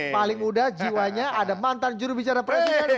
paling muda jiwanya ada mantan jurubicara presiden wiman witulan